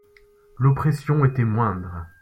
L'oppression était moindre.